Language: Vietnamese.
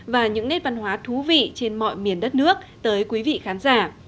và những nét văn hóa thú vị trên mọi miền đất nước tới quý vị khán giả